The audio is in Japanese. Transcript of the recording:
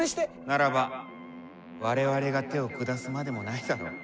ならば我々が手を下すまでもないだろう。